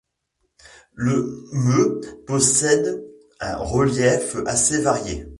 Le Meux possède un relief assez varié.